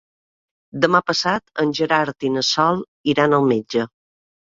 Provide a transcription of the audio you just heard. Demà passat en Gerard i na Sol iran al metge.